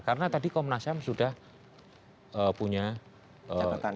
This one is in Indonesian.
karena tadi komnas ham sudah punya catatan